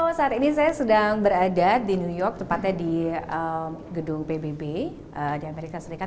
halo saat ini saya sedang berada di new york tepatnya di gedung pbb di amerika serikat